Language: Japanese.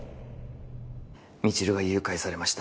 未知留が誘拐されました